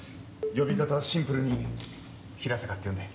呼び方はシンプルに「平坂」って呼んで。